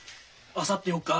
あさって４日。